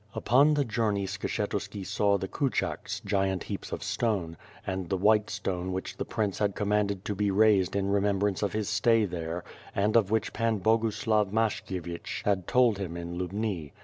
Upon the journey Skshetuski saw the Kuchkas (giant heap of stone) and the white stone which the prince had com manded to be raised in remembrance of his stay there, and of which Pan Boguslav Mashkievich had told him in Lubni.